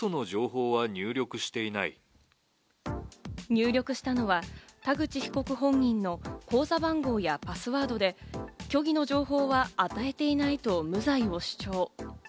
入力したのは田口被告本人の口座番号やパスワードで、虚偽の情報は与えていないと無罪を主張。